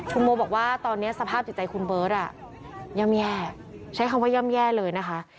คุณโมบอกว่าตอนนี้สภาพจิตใจคุณเบิร์ตย่ำแย่ใช้คำว่าย่ำแย่เลยนะคะ